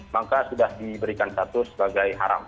maka sudah diberikan status sebagai haram